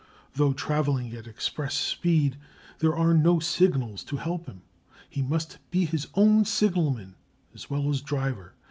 Though travelling at express speed, there are no signals to help him; he must be his own signalman as well as driver.